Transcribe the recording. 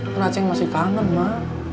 kan acing masih kangen ma